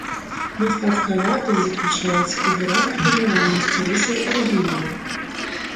Мастацкая вартасць заключаецца ў выразнай пазнавальнасці рысаў арыгінала.